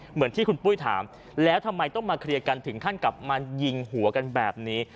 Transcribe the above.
เหมือนที่คุณปุ้ยถามแล้วทำไมต้องมาเคลียร์กันถึงขั้นกลับมายิงหัวกันแบบนี้